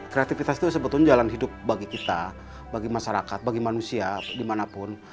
kreativitas itu sebetulnya jalan hidup bagi kita bagi masyarakat bagi manusia dimanapun